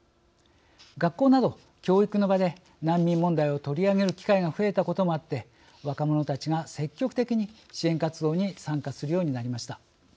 学校など教育の場で難民問題を取り上げる機会が増えたこともあって若者たちが積極的に支援活動に参加するようになりました。